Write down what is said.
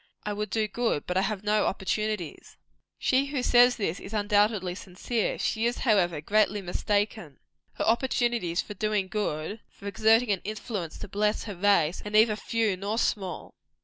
I would do good, but I have no opportunities." She who says this, is undoubtedly sincere. She is, however, greatly mistaken. Her opportunities for doing good for exerting an influence to bless her race "are neither few nor small."